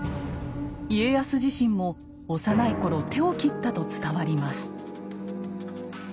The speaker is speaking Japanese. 家康自身も幼い頃手を切ったと伝わります。